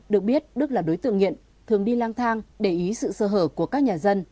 được biết đức là đối tượng nghiện thường đi lang thang để ý sự sơ hở của các nhà dân